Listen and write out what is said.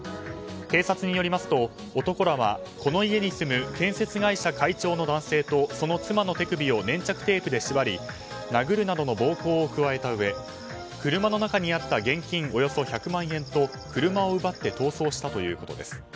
警察によりますと男らは、この家に住む建設会社会長の男性とその妻の手首を粘着テープで縛り殴るなどの暴行を加えたうえ車の中にあった現金およそ１００万円と車を奪って逃走したということです。